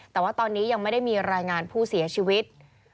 แต่ว่าตอนนี้ยังไม่ได้มีรายงานผู้เสียชีวิต